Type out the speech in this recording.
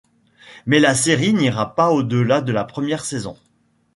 Mais la série n'ira pas au-delà de la première saison.